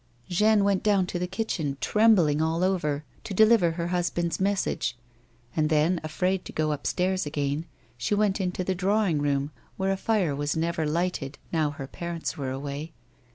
Jeanne went down to the kitchen trembling all over, to deliver her husband's message, and then afraid to go up stairs again, she went into the drawing room, where a fire was never lighted, now her parents were away.